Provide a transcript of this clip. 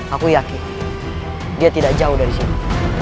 aku yakin dia tidak jauh dari sini